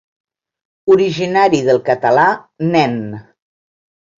Originari del català "nen".